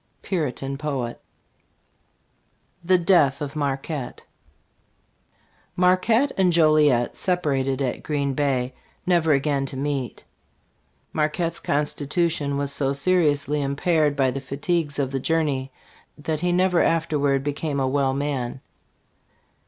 Puritan Poet. THE DEATH OF MARQUETTE. MARQUETTE. and Joliet separated at Green Pay, never again to meet. Marquette's constitution was so seriously impaired by the fatigues of the journey that he never after ward became a well man.